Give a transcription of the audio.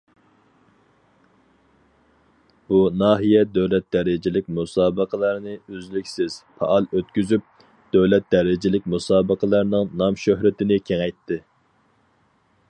بۇ ناھىيە دۆلەت دەرىجىلىك مۇسابىقىلەرنى ئۈزلۈكسىز، پائال ئۆتكۈزۈپ، دۆلەت دەرىجىلىك مۇسابىقىلەرنىڭ نام- شۆھرىتىنى كېڭەيتتى.